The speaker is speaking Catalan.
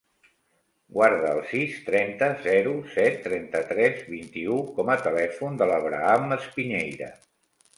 Guarda el sis, trenta, zero, set, trenta-tres, vint-i-u com a telèfon de l'Abraham Espiñeira.